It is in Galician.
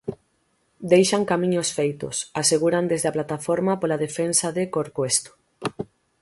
"Deixan camiños feitos", aseguran desde a Plataforma pola Defensa de Corcoesto.